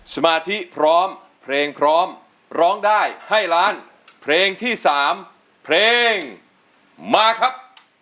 สมาธิพร้อมเพลงพร้อมร้องได้ให้ล้านเพลงที่๓เพลงมาครับ